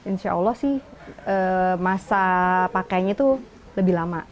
insya allah sih masa pakainya tuh lebih lama